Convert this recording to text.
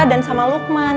dan sama lukman